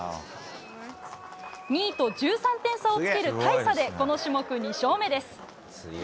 ２位と１３点差をつける大差でこの種目、２勝目です。